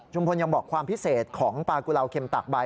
พลยังบอกความพิเศษของปลากุลาวเข็มตักใบ